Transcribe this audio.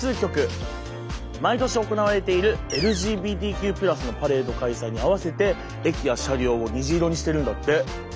毎年行われているＬＧＢＴＱ＋のパレード開催に合わせて駅や車両を虹色にしてるんだって。